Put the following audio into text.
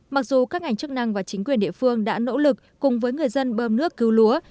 mặc dù các ngành chức năng và chính quyền địa phương đã nỗ lực cùng với người dân bơm nước cứu lúa